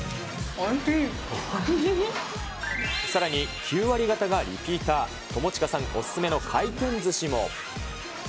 さらに９割方がリピーター、友近さんお勧めの回転ずしも。